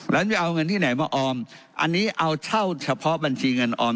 แล้วจะเอาเงินที่ไหนมาออมอันนี้เอาเช่าเฉพาะบัญชีเงินออม